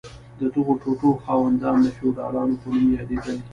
د دغو ټوټو خاوندان د فیوډالانو په نوم یادیدل.